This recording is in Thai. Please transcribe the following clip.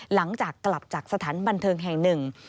หลังจากกลับจากสถานบันเทิงแห่งหนึ่ง